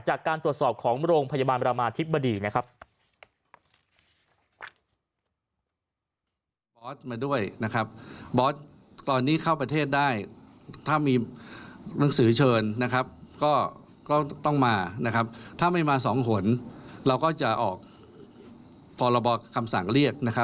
จากการตรวจสอบของโรงพยาบาลบรรมาทิศบดี